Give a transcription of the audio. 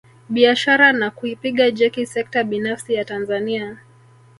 Biashara na kuipiga jeki sekta binafsi ya Tanzania